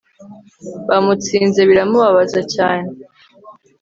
bamutsinze biramubabaza cyane